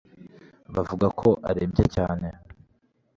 Bavuga ko arembye cyane